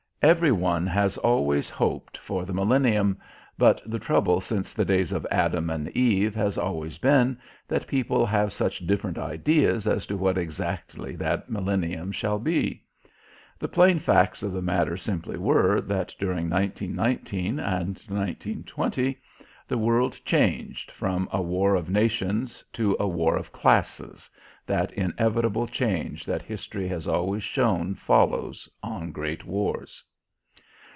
Every one has always hoped for the millennium, but the trouble since the days of Adam and Eve has always been that people have such different ideas as to what exactly that millennium shall be. The plain facts of the matter simply were that during 1919 and 1920 the world changed from a war of nations to a war of classes, that inevitable change that history has always shown follows on great wars.